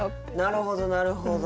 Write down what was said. なるほどなるほど。